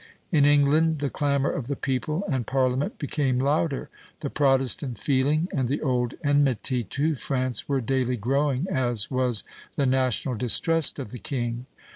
In England the clamor of the people and Parliament became louder; the Protestant feeling and the old enmity to France were daily growing, as was the national distrust of the king.